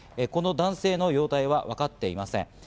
この男性の容体はわかっていません。